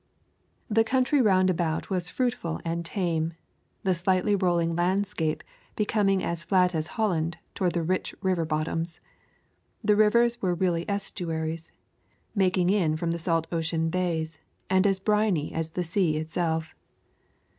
The country round about was fruitful and tame, the slightly rolling landscape becoming as flat as Holland toward the rich river bottoms. The rivers were really estuaries, making in from the salt ocean bays, and as briny as the sea itself.